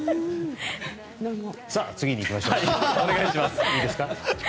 次に行きましょう。